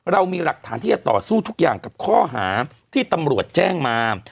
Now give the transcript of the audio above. เรามีหลักฐานที่จะต่อสู้ทุกอย่างกับข้อหาที่ตำรวจแจ้งมา